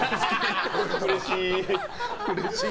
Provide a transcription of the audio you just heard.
うれしい。